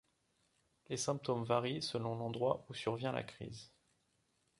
Les symptômes varient selon l'endroit où survient la crise.